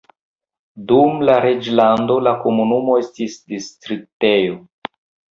Dum la reĝlando la komunumo estis distriktejo.